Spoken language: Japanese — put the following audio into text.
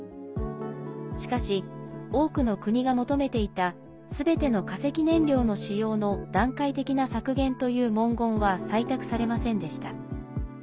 しかし、多くの国が求めていた「すべての化石燃料の使用の段階的な削減」という文言は採択されませんでした。